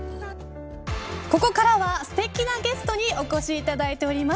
ここからは、すてきなゲストにお越しいただいています。